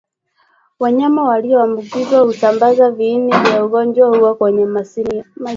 wanyama walioambukizwa husambaza viini vya ugonjwa huo kwenye malisho